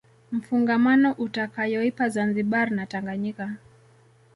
mfungamano utakayoipa Zanzibar na Tanganyika